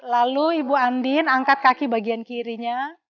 lalu ibu andin angkat kaki bagian kirinya